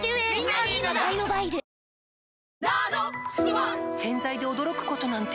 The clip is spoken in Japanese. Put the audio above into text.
わかるぞ洗剤で驚くことなんて